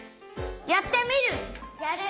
やってみる！